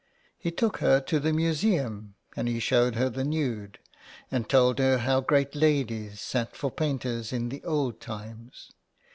He took her to the museum and he showed her the nude, and told her how great ladies sat for painters in the old times.